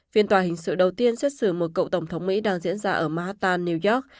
phiên tòa hình sự đầu tiên xét xử một cựu tổng thống mỹ đang diễn ra ở manhattan new york